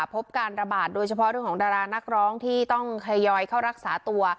พบการระบาดโดยเฉพาะเรื่องของดารานักร้องที่ต้องทยอยเข้ารักษาตัว